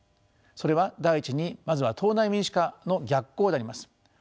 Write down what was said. それは第１にまずは党内民主化の逆行であります。